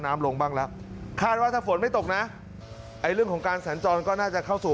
ลงบ้างแล้วคาดว่าถ้าฝนไม่ตกนะไอ้เรื่องของการสัญจรก็น่าจะเข้าสู่